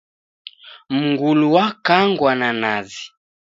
Mngulu wakangwa na nazi